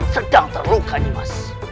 sedang terluka nimas